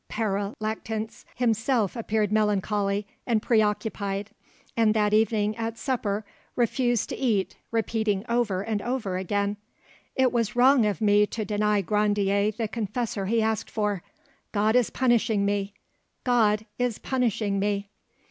Pere Lactance himself appeared melancholy and preoccupied, and that evening at supper refused to eat, repeating over and over again— "'It was wrong of me to deny Grandier the confessor he asked for; God is punishing me, God is punishing me!